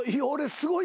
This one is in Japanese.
すごい。